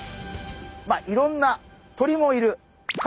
まあいろんな鳥もいる。